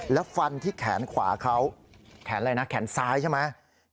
แล้วฟันที่แขนขวาเขาแขนอะไรนะแขนซ้ายใช่ไหม